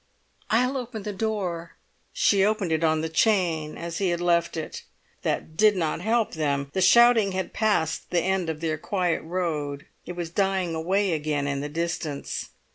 "I'll open the door." She opened it on the chain as he had left it. That did not help them. The shouting had passed the end of their quiet road. It was dying away again in the distance.